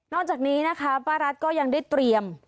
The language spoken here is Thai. จากนี้นะคะป้ารัฐก็ยังได้เตรียม